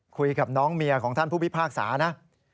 คุยกับน้องเมียของท่านผู้พิพากษานะ